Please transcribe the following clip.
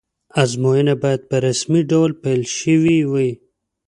ازموینه باید په رسمي ډول پیل شوې وی.